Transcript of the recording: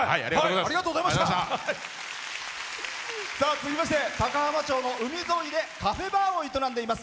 続きまして高浜町の海沿いでカフェバーを営んでいます。